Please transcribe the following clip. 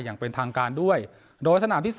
อย่างเป็นทางการด้วยโดยสนามที่๒